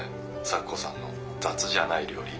咲子さんの雑じゃない料理。